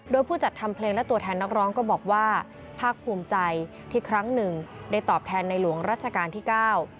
โดยผู้จัดทำเพลงและตัวแทนนักร้องก็บอกว่าภาคภูมิใจที่ครั้งหนึ่งได้ตอบแทนในหลวงรัชกาลที่เก้า